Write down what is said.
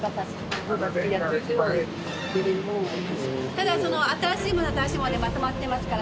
ただその新しいものは新しいものでまとまっていますから。